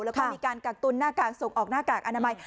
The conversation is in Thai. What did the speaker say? แล้วก็มีการกักตุนหน้ากากส่งออกหน้ากากอนามัย